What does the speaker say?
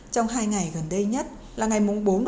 trong hai ngày gần đây nhất là ngày bốn năm một mươi